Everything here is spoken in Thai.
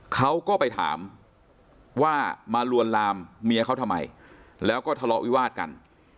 เขาก็ไปถามว่ามาลวนลามเมียเขาทำไมแล้วก็ทะเลาะวิวาดกัน